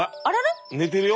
寝てるよ！